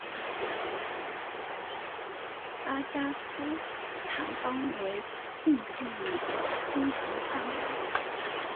拉贾斯坦邦为印地语的通行范围。